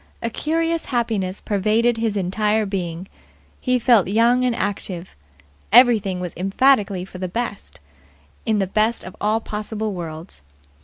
A curious happiness pervaded his entire being. He felt young and active. Everything was emphatically for the best in this best of all possible worlds.